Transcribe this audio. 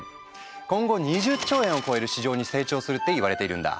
今後２０兆円を超える市場に成長するっていわれているんだ。